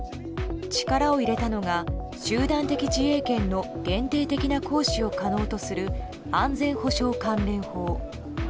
力を入れたのが、集団的自衛権の限定的な行使を可能とする安全保障関連法。